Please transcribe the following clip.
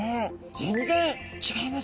全然違いますよね。